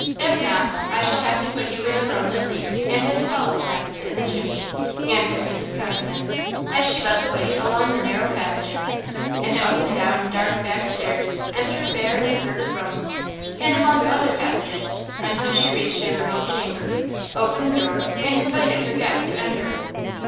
If not, I shall have to put you in a room that leaks and has swallows' nests in the chimney," answered Mrs. Condiment, as she led the way along the narrow passages and up and down dark back stairs and through bare and deserted rooms and along other passages until she reached a remote chamber, opened the door and invited her guest to enter.